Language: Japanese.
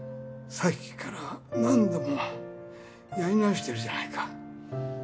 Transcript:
さっきから何度もやり直してるじゃないか。